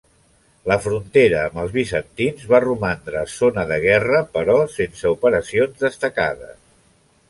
La frontera amb els bizantins va romandre zona de guerra però sense operacions destacades.